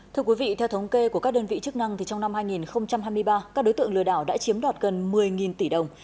thưa quý vị theo thống kê của các đơn vị chức năng trong năm hai nghìn hai mươi ba các đối tượng lừa đảo đã chiếm đoạt gần một mươi tỷ đồng